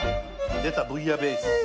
出たブイヤベース！